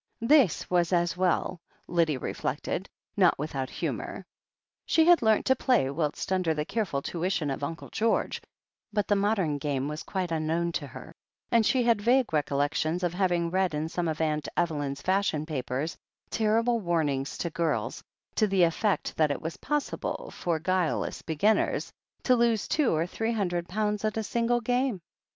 This was as well, Lydia reflected, not without humour. She had learnt to play whist under the care ful tuition of Uncle Greorge, but the modem game was quite imknown to her, and she had vague recollections of having read in some of Atmt Evelyn's fashion papers terrible warnings to girls, to the effect that it was possible for guileless beginners to lose two or three hundred pounds at a single game.